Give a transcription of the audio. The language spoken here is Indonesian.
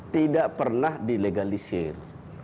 tidak pernah dilegalisir